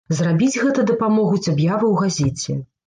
Зрабіць гэта дапамогуць аб'явы ў газеце.